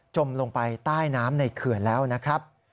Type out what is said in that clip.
ลงไปใต้น้ำในเขื่อนแล้วนะครับ